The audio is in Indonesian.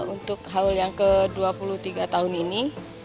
untuk haul yang ke dua puluh tiga tahun ini